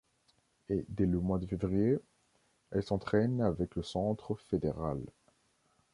Et dès le mois de février, elle s'entraîne avec le Centre Fédéral.